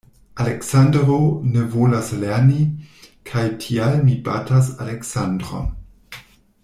Aleksandro ne volas lerni, kaj tial mi batas Aleksandron.